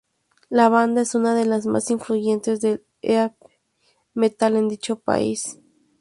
La banda es una de las más influyente del heavy metal en dicho país.